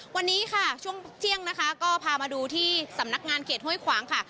วันนี้ค่ะช่วงเที่ยงนะคะก็พามาดูที่สำนักงานเขตห้วยขวางค่ะ